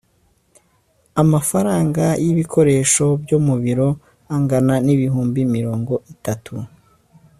Amafaranga y’ibikoresh byo mu biro angana n ibihumbi mirongo itatu